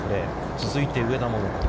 続いて上田桃子。